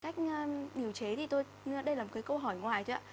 cách điều chế thì tôi đây là một câu hỏi ngoài thôi ạ